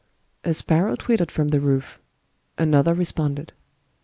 ••• A sparrow twittered from the roof; another re sponded.